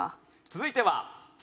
続いてはＢ。